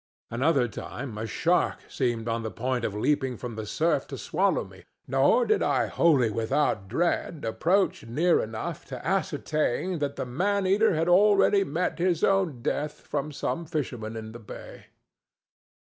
Another time a shark seemed on the point of leaping from the surf to swallow me, nor did I wholly without dread approach near enough to ascertain that the man eater had already met his own death from some fisherman in the bay.